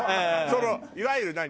そのいわゆる何？